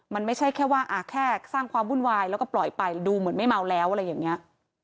มันไม่ใช่แค่ว่าแค่สร้างความวุ่นวายแล้วก็ปล่อยไปดูเหมือนไม่เมาแล้วอะไรอย่างนี้